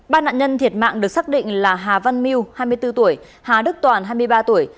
ba nạn nhân thiệt mạng được xác định là hà văn miêu hai mươi bốn tuổi hà đức toàn hai mươi ba tuổi